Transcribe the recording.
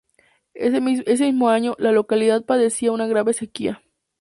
Ese mismo año, la localidad padecía una grave sequía.